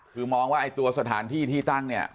คือมองว่าไอ้ตัวสถานที่ที่ตั้งเนี่ย